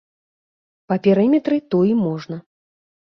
Па перыметры туі можна.